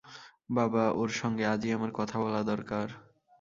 বাবা, ওঁর সঙ্গে আজই আমার কথা বলা দরকার।